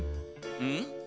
うん？